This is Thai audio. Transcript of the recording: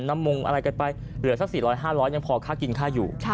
มงอะไรกันไปเหลือสัก๔๐๐๕๐๐ยังพอค่ากินค่าอยู่